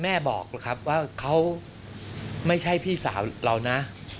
แม่บอกครับว่าเขาไม่ใช่พี่สาวเรานะ